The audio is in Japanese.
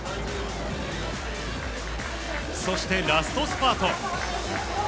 そしてラストスパート。